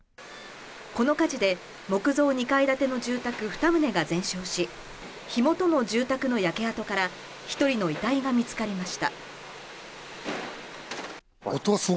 この火事で木造２階建ての住宅２棟が全焼し、火元の住宅の焼け跡から、１人の遺体が見つかりました。